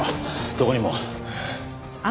どこにも。